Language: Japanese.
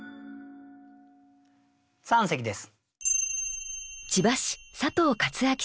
三席です。